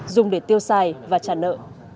dùng để tiêu xài và trả nợ